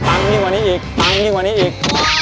ตังค์ยิ่งวันนี้อีกตังค์ยิ่งวันนี้อีก